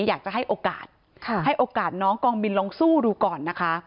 อยากจะให้โอกาสอ้างกองบินลองสู้ดูก่อน